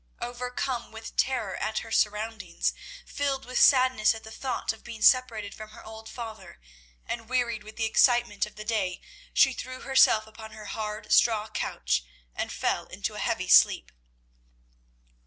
Overcome with terror at her surroundings, filled with sadness at the thought of being separated from her old father, and wearied with the excitement of the day, she threw herself upon her hard straw couch and fell into a heavy sleep.